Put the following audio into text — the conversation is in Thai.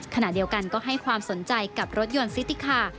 ขณะเดียวกันก็ให้ความสนใจกับรถยนต์ซิติคา